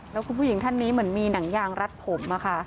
แล้วคุณผู้หญิงท่านนี้เหมือนมีหนังยางรัดผมอะค่ะ